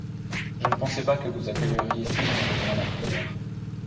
Je ne pensais pas que vous accueilleriez si généreusement ma prière.